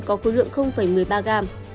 đối tượng một mươi ba g